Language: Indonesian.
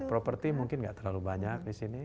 property mungkin tidak terlalu banyak disini